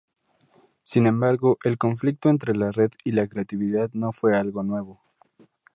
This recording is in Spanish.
Sin embargo, el conflicto entre la red y la creatividad no fue algo nuevo.